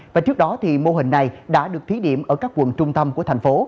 và trước đó thì mô hình này đã được thí điểm ở các quận trung tâm của thành phố